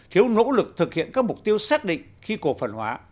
thiếu nỗ lực thực hiện các mục tiêu xác định khi cổ phần hóa